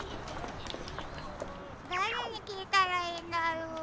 だれにきいたらいいんだろう。